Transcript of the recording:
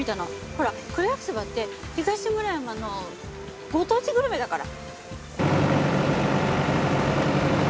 ほら黒焼きそばって東村山のご当地グルメだから。